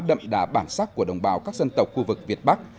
đậm đà bản sắc của đồng bào các dân tộc khu vực việt bắc